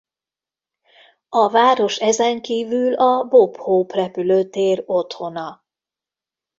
A város ezenkívül a Bob Hope repülőtér otthona.